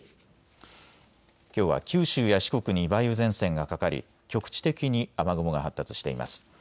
きょうは九州や四国に梅雨前線がかかり、局地的に雨雲が発達しています。